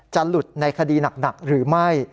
หลุดในคดีหนักหรือไม่